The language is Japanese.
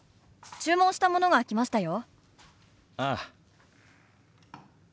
注文したものが来ましたよ。